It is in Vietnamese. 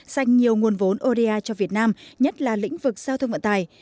dành nhiều nguồn vốn oda cho việt nam nhất là lĩnh vực giao thông vận tài